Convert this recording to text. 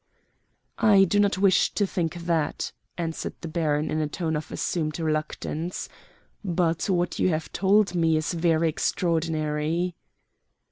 "I do not wish to think that," answered the baron in a tone of assumed reluctance. "But what you have told me is very extraordinary."